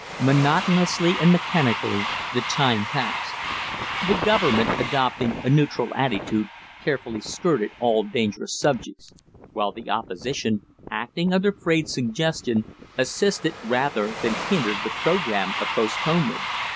Monotonously and mechanically the time passed. The Government, adopting a neutral attitude, carefully skirted all dangerous subjects; while the Opposition, acting under Fraide's suggestion, assisted rather than hindered the programme of postponement.